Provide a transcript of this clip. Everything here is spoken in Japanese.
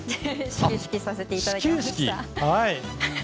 始球式させていただきました。